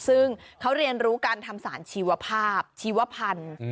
ซึ่งเขาเรียนรู้การทำสารชีวภาพชีวพันธุ์